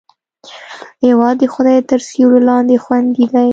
هېواد د خدای تر سیوري لاندې خوندي دی.